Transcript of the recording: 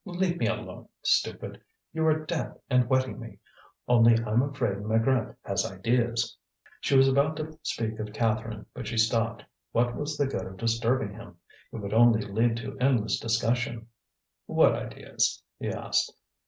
"Leave me alone, stupid! You are damp, and wetting me. Only I'm afraid Maigrat has ideas " She was about to speak of Catherine, but she stopped. What was the good of disturbing him? It would only lead to endless discussion. "What ideas?" he asked.